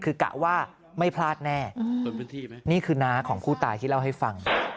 คือกะว่าไม่พลาดแน่นี่คือน้าของผู้ตายที่เล่าให้ฟัง